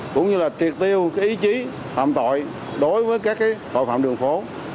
cũng như là triệt tiêu ý chí phạm tội đối với các tội phạm đường phố